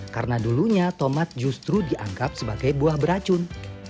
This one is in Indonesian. karena dulunya tomat justru dianggap sebagai buah beracun